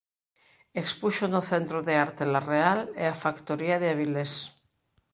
Expuxo no Centro de Arte La Real e a Factoría de Avilés.